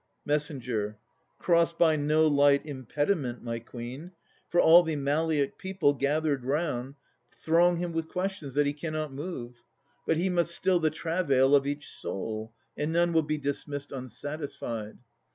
MESS. Crossed by no light impediment, my Queen. For all the Maliac people, gathering round, Throng him with question, that he cannot move. But he must still the travail of each soul, And none will be dismissed unsatisfied.